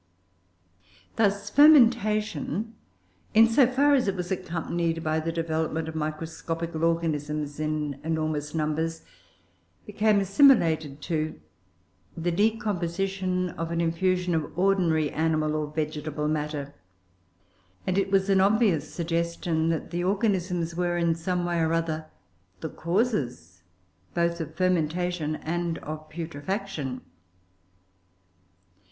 Thus, fermentation, in so far as it was accompanied by the development of microscopical organisms in enormous numbers, became assimilated to the decomposition of an infusion of ordinary animal or vegetable matter; and it was an obvious suggestion that the organisms were, in some way or other, the causes both of fermentation and of putrefaction.